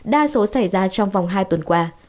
đa số xảy ra trong vòng hai tuần qua